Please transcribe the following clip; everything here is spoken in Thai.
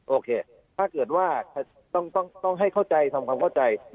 โอเคถ้าเกิดว่าต้องให้เข้าใจทำความเข้าใจ